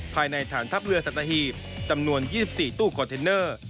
ภายในฐานทัพเรือสัตหีบจำนวน๒๔ตู้คอนเทนเนอร์